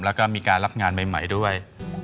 แล้วก็มีการรับงานใหม่ด้วย